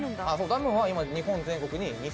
ダムは今。